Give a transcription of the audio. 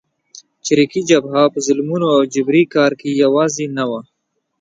چریکي جبهه په ظلمونو او جبري کار کې یوازې نه وه.